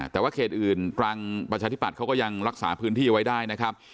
แต่ว่าเขตอื่นตรังประชาธิบัตย์เขาก็ยังรักษาพื้นที่เอาไว้ได้นะครับ